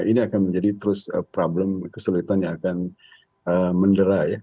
ini akan menjadi terus problem kesulitan yang akan mendera ya